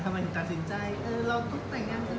แต่ว่าสิ่งที่ทำให้เราก็รู้ท่าชัดเจน